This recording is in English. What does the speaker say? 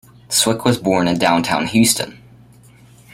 Swick was born in downtown Houston.